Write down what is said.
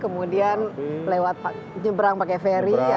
kemudian lewat nyebrang pakai feri ya